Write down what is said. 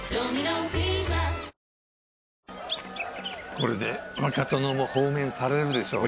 これで若殿も放免されるでしょうね。